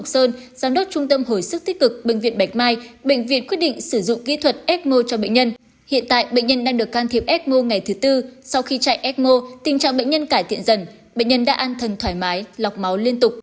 sau điều trị tích cực bệnh viện bạch mai bệnh viện quyết định sử dụng kỹ thuật ecmo cho bệnh nhân hiện tại bệnh nhân đang được can thiệp ecmo ngày thứ tư sau khi chạy ecmo tình trạng bệnh nhân cải thiện dần bệnh nhân đã an thần thoải mái lọc máu liên tục